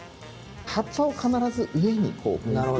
葉っぱを必ず上にこう向けて。